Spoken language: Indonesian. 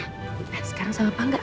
nah sekarang sama pangga